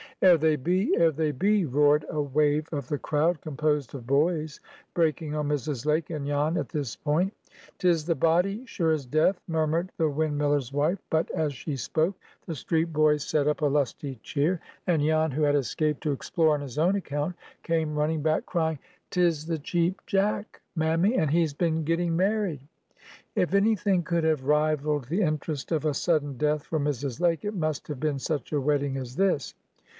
"'Ere they be! 'ere they be!" roared a wave of the crowd, composed of boys, breaking on Mrs. Lake and Jan at this point. "'Tis the body, sure as death!" murmured the windmiller's wife; but, as she spoke, the street boys set up a lusty cheer, and Jan, who had escaped to explore on his own account, came running back, crying,— "'Tis the Cheap Jack, mammy! and he's been getting married." If any thing could have rivalled the interest of a sudden death for Mrs. Lake, it must have been such a wedding as this.